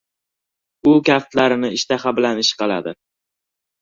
— U kaftlarini ishtaha bilan ishqaladi.